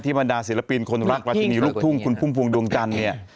บรรดาศิลปินคนรักราชินีลูกทุ่งคุณพุ่มพวงดวงจันทร์เนี่ย